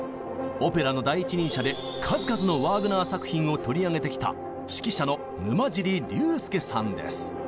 オペラの第一人者で数々のワーグナー作品を取り上げてきた指揮者の沼尻竜典さんです！